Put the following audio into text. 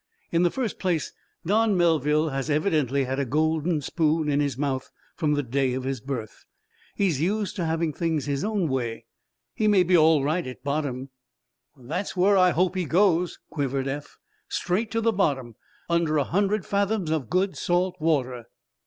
"In the first place, Don Melville has evidently had a golden spoon in his mouth from the day of his birth. He's used to having things his own way. He may be all right at bottom." "Then that's where I hope he goes," quivered Eph. "Straight to the bottom! Under a hundred fathoms of good salt water!"